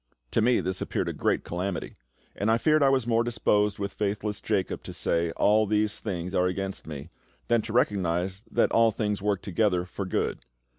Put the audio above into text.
To me this appeared a great calamity, and I fear I was more disposed with faithless Jacob to say, "All these things are against me," than to recognise that "All things work together for good."